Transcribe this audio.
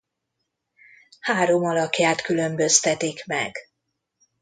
Három alakját különböztetik meg.